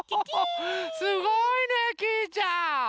すごいねきいちゃん！